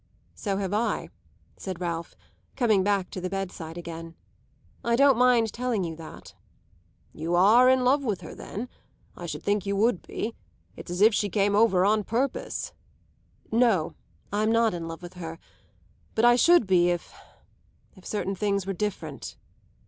"So have I," said Ralph, coming back to the bedside again. "I don't mind telling you that." "You are in love with her then? I should think you would be. It's as if she came over on purpose." "No, I'm not in love with her; but I should be if if certain things were different."